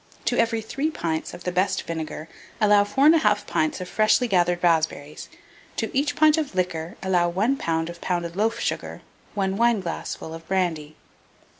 To every 3 pints of the best vinegar allow 4 1/2 pints of freshly gathered raspberries; to each pint of liquor allow 1 lb. of pounded loaf sugar, 1 wineglassful of brandy.